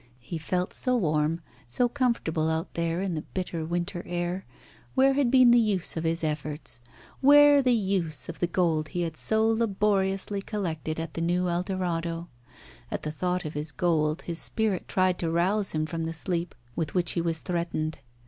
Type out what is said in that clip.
He felt so warm, so comfortable out there in the bitter winter air. Where had been the use of his efforts? Where the use of the gold he had so laboriously collected at the new Eldorado? At the thought of his gold his spirit tried to rouse him from the sleep with which he was threatened.